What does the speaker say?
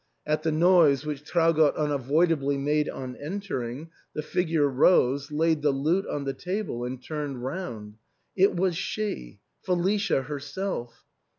At the noise which Traugott unavoidably made on entering, the figure rose, laid the lute on the table, and turned round. It was she, Felicia herself!